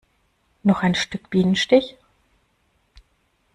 Noch ein Stück Bienenstich?